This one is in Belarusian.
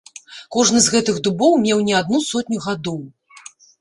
Кожны з гэтых дубоў меў не адну сотню гадоў.